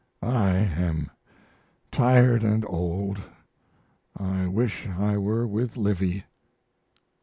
I am tired & old; I wish I were with Livy.